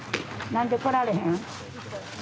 何で来られへん？